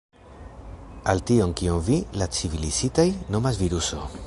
Aŭ tion kion vi, la civilizitaj, nomas viruso.